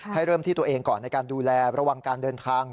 ให้เริ่มที่ตัวเองก่อนในการดูแลระวังการเดินทาง